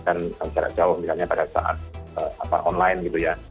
dan secara jauh misalnya pada saat apa online gitu ya